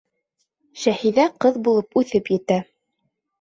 Шәһиҙә ҡыҙ булып үҫеп етә.